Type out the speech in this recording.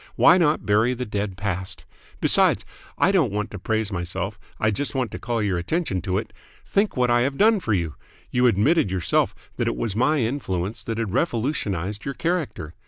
Why not bury the dead past? Besides I don't want to praise myself, I just want to call your attention to it think what I have done for you. You admitted yourself that it was my influence that had revolutionised your character.